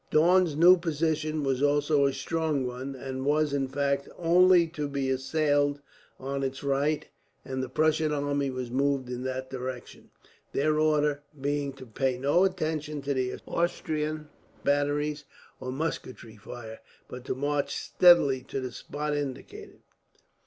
Daun's new position was also a strong one, and was, in fact, only to be assailed on its right; and the Prussian army was moved in that direction, their order being to pay no attention to the Austrian batteries or musketry fire, but to march steadily to the spot indicated.